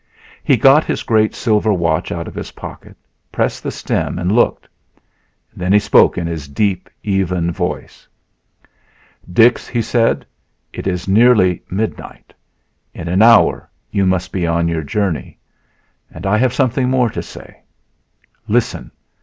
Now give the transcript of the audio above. He got his great silver watch out of his pocket, pressed the stem and looked. Then he spoke in his deep, even voice. "Dix," he said, "it is nearly midnight; in an hour you must be on your journey, and I have something more to say. Listen!